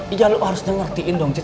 iya lo harus dengerin dong